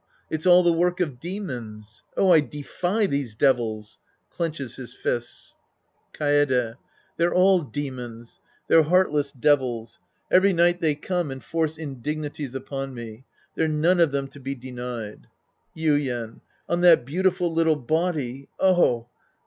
It's all the work of demons. Oh, I defy these devils ! {Clenches his fists.) Kaede. They're all demons. They're heartless devils. Every night they come and force indignities upon me. They're none of them to be denied. Yuien. On that beautiful little body. Oh